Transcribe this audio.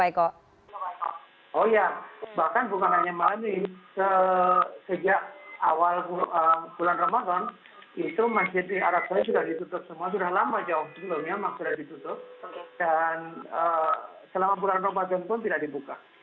dan selama bulan ramadan pun tidak dibuka